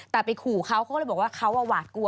แต่ไปขู่เขาเขาก็เลยบอกว่าเขาหวาดกลัว